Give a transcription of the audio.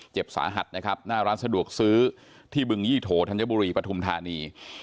เจ็บสาหัสนะครับหน้าร้านสะดวกซื้อที่บึงยี่โถธัญบุรีปฐุมธานี